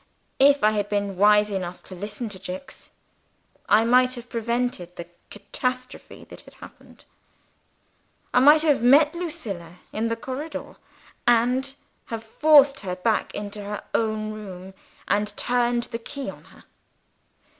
If I had been wise enough to listen to Jicks, I might have prevented the catastrophe that had happened. I might have met Lucilla in the corridor, and have forced her back into her own room and turned the key on her.